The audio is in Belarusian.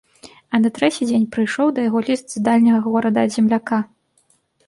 А на трэці дзень прыйшоў да яго ліст з дальняга горада ад земляка.